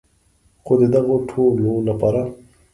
خو د دغو ټولو لپاره.